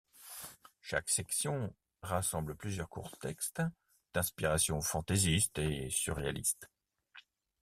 Chaque section rassemble plusieurs courts textes, d'inspiration fantaisiste et surréaliste.